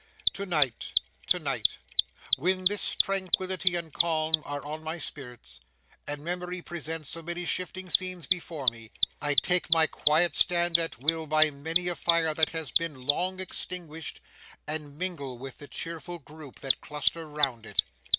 To night, to night, when this tranquillity and calm are on my spirits, and memory presents so many shifting scenes before me, I take my quiet stand at will by many a fire that has been long extinguished, and mingle with the cheerful group that cluster round it.